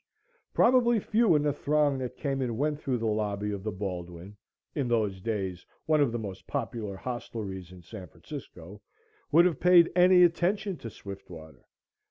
Probably few in the throng that came and went through the lobby of the Baldwin in those days one of the most popular hostelries in San Francisco would have paid any attention to Swiftwater.